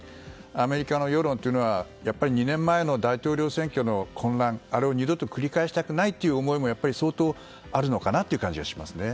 アメリカの世論というのはあの２年前の大統領選挙の混乱あれを二度と繰り返したくない思いも相当、あるのかなという感じがしますね。